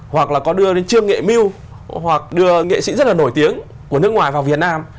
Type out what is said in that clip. hoặc là có đưa đến trương nghệ meal hoặc đưa nghệ sĩ rất là nổi tiếng của nước ngoài vào việt nam